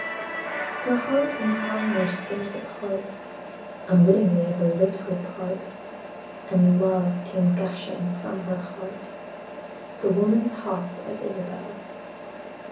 Her heart and tongue were scarce apart, Unwittingly her lips would part, And love came gushing from her heart, The woman's heart of Isabel.